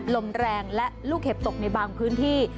ลมแรงและลูกเห็บตกในบางพื้นที่